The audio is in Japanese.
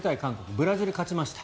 ブラジルが勝ちました。